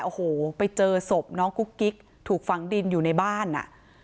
โอ้โหไปเจอศพน้องกุ๊กกิ๊กถูกฝังดินอยู่ในบ้านอ่ะ